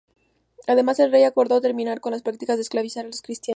Además, el Dey acordó terminar con la práctica de esclavizar a cristianos.